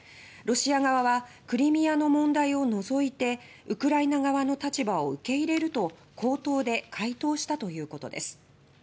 ロシア側はクリミアの問題を除いてウクライナ側の立場を受け入れると口頭で回答したということです。